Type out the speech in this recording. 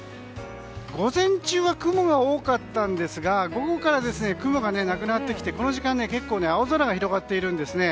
午前中は雲が多かったんですが午後から雲がなくなってきてこの時間、結構青空が広がっているんですね。